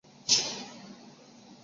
逢源东街是逢源区的东界。